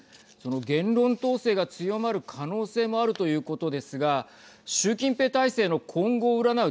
言論統制が強まる可能性もあるということですが習近平体制の今後を占う